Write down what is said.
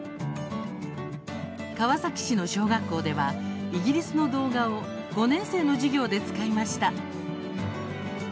川崎市の小学校ではイギリスの動画を５年生の授業で使いました。